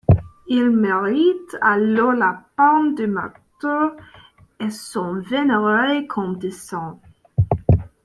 Ils méritent alors la palme du martyr et sont vénérés comme des saints.